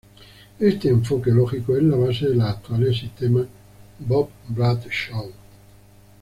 Este enfoque lógico es la base de los actuales sistemas Bob Bradshaw.